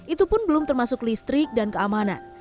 itu pun belum termasuk listrik dan keamanan